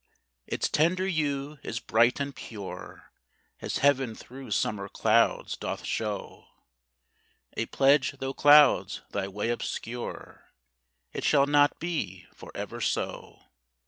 Its tender hue is bright and pure, As heav'n through summer clouds doth show, A pledge though clouds thy way obscure, It shall not be for ever so.